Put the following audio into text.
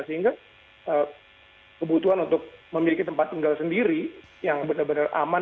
sehingga kebutuhan untuk memiliki tempat tinggal sendiri yang benar benar aman